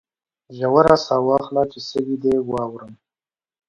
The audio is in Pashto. ژوره ساه واخله چې سږي دي واورم